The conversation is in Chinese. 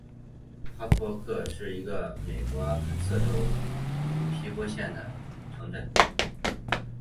赫克托是一个位于美国阿肯色州波普县的城镇。